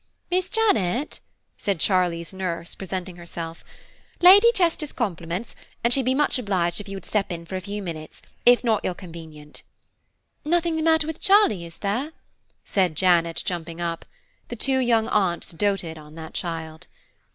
"Miss Janet," said Charlie's nurse, presenting herself, "Lady Chester's compliments and she'd be much obliged if you would step in for a few minutes, if not ill convenient." "Nothing the matter with Charlie, is there?" said Janet jumping up. The two young aunts doted on that child.